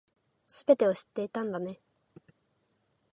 全てを知っていたんだね